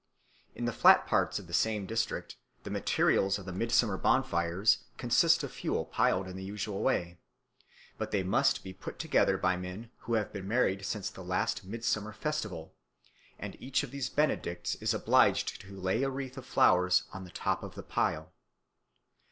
In the flat parts of the same district the materials of the midsummer bonfires consist of fuel piled in the usual way; but they must be put together by men who have been married since the last midsummer festival, and each of these benedicts is obliged to lay a wreath of flowers on the top of the pile.